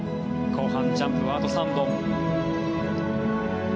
後半ジャンプはあと３本。